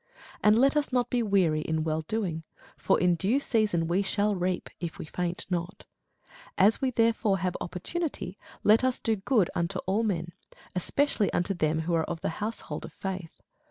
And let us not be weary in well doing: for in due season we shall reap, if we faint not. As we have therefore opportunity, let us do good unto all men, especially unto them who are of the household of faith.